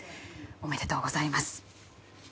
おめでとうございます。